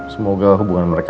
semoga hubungan mereka